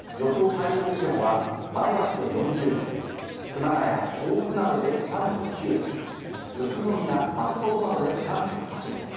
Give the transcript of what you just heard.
最高気温は前橋で４０度、熊谷、甲府などで３９度、宇都宮、松本などで３８度。